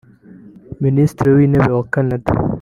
Minisitiri w’Intebe wa Canada